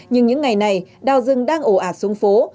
nhưng những ngày này đào rừng đang ổ ạt xuống phố